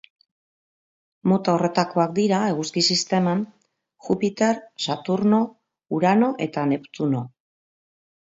Mota horretakoak dira, Eguzki-sisteman, Jupiter, Saturno, Urano eta Neptuno.